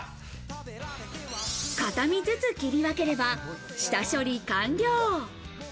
片身ずつ切り分ければ下処理完了。